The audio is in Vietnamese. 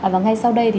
và ngay sau đây